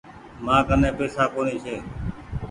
مآ ڪني پئيسا ڪونيٚ ڇي۔